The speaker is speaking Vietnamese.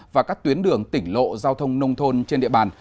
và các tuyến đường tỉnh lộ giao thông nông thôn trên địa bàn